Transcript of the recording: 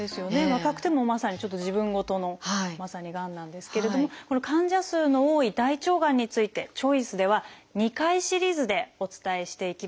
若くてもまさにちょっと自分事のまさにがんなんですけれども患者数の多い大腸がんについて「チョイス」では２回シリーズでお伝えしていきます。